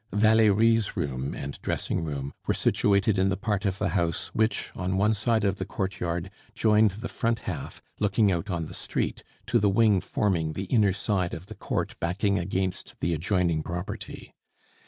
Valerie's room and dressing room were situated in the part of the house which, on one side of the courtyard, joined the front half, looking out on the street, to the wing forming the inner side of the court backing against the adjoining property.